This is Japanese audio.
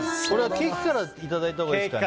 ケーキからいただいたほうがいいですか。